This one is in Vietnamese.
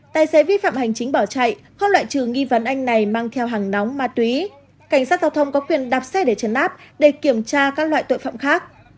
tài xế vi phạm hành chính bỏ chạy các loại trừ nghi vấn anh này mang theo hàng nóng ma túy cảnh sát giao thông có quyền đạp xe để chấn áp để kiểm tra các loại tội phạm khác